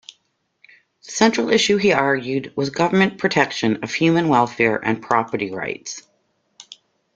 The central issue he argued was government protection of human welfare and property rights.